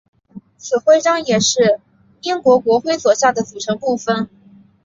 此徽章也是英国国徽左下的组成部分。